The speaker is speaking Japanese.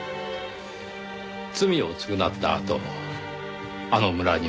罪を償ったあとあの村に戻るのか